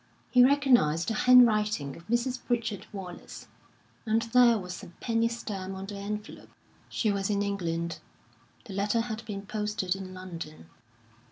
He recognised the handwriting of Mrs. Pritchard Wallace, and there was a penny stamp on the envelope. She was in England. The letter had been posted in London.